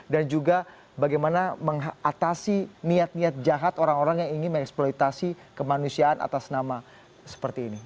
dan juga bagaimana mengatasi niat niat jahat orang orang yang ingin mengeksploitasi kemanusiaan atas nama seperti ini